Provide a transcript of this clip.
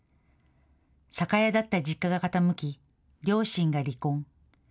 酒屋だった実家が傾き、両親が離婚。